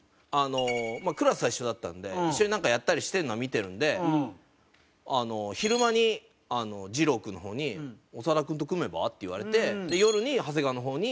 クラスは一緒だったんで一緒になんかやったりしてるのは見てるので昼間にじろう君の方に「長田君と組めば？」って言われて夜に長谷川の方に「長田君と組めば？」